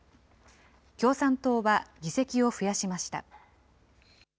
共産党は議席を増やしました。